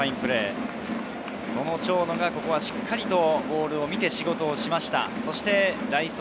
長野がしっかりボールを見て仕事をしました。